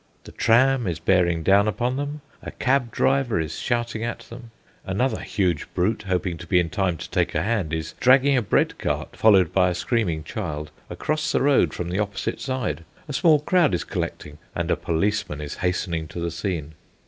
The tram is bearing down upon them; a cab driver is shouting at them; another huge brute, hoping to be in time to take a hand, is dragging a bread cart, followed by a screaming child, across the road from the opposite side; a small crowd is collecting; and a policeman is hastening to the scene.